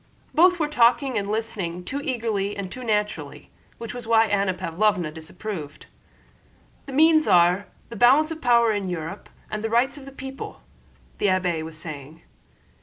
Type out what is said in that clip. Both were talking and listening too eagerly and too naturally, which was why Anna Pávlovna disapproved. "The means are ... the balance of power in Europe and the rights of the people," the abbé was saying.